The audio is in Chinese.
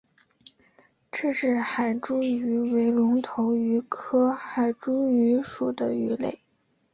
赫氏海猪鱼为隆头鱼科海猪鱼属的鱼类。